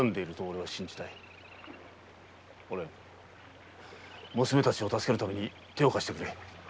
お蓮娘たちを助けるために手を貸してくれ。